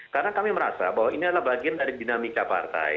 karena kami merasa bahwa ini adalah bagian dari dinamika partai